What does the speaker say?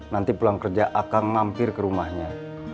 nanti pulang kerja akang mampir ke rumahnya